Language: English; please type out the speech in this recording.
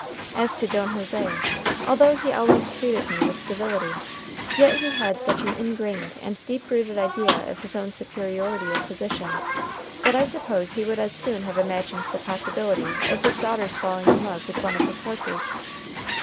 As to Don José, although he always treated me with civility, yet he had such an ingrained and deep rooted idea of his own superiority of position, that I suppose he would as soon have imagined the possibility of his daughter's falling in love with one of his horses.